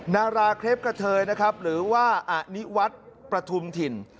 นาราเคลปกะเทยนะครับหรือว่าอนิวัฒน์ประทุมถิ่น